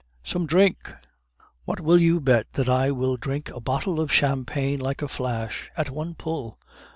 "Some drink!" "What will you bet that I will drink a bottle of champagne like a flash, at one pull?"